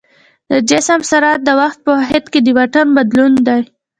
د جسم سرعت د وخت په واحد کې د واټن بدلون دی.